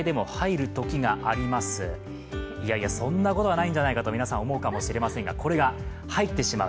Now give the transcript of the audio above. いやいや、そんなことはないんじゃないかと、皆さん思うかもしれないんですがこれが入ってしまう。